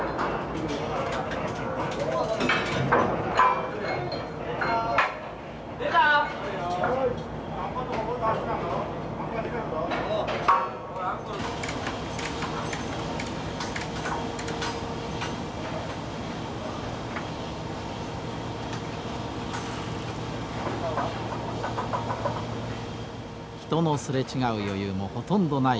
人のすれ違う余裕もほとんどない作業の足場。